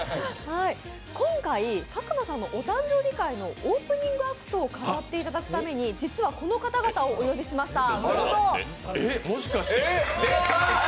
今回、佐久間さんのお誕生日会のオープニングアクトを飾っていただくために実はこの方々をお呼びいたしました。